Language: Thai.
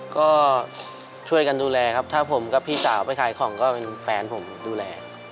ก็ช่วยกันดูแลครับถ้าผมกับพี่สาวไปขายของก็เป็นแฟนผมดูแล